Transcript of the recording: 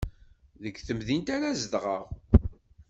Deg temdint ara zedɣeɣ.